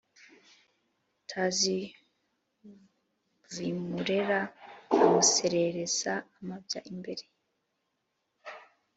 tazi vmurera amureresa amabya imbere.